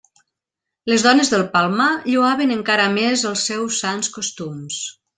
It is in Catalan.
Les dones del Palmar lloaven encara més els seus sans costums.